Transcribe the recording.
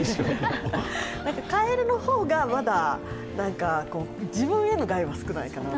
蛙の方がまだ、自分への害は少ないかなと。